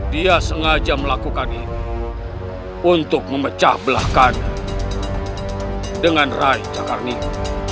dia sengaja melakukan ini untuk memecah belah kandang dengan rai cakarnika